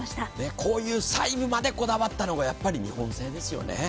こういう細部までこだわったのがやはり日本製ですよね。